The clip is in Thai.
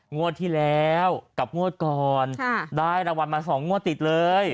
งวดที่แล้วกับงวดก่อนได้รางวัลมา๒งวดติดเลย